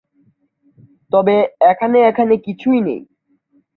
তবে এখানে এখানে কিছুই নেই।